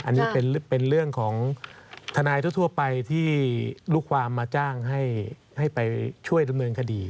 อันนี้เป็นเรื่องของทนายทั่วไปที่ลูกความมาจ้างให้ไปช่วยดำเนินคดี